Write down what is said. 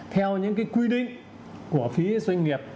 theo những cái quy định của phía doanh nghiệp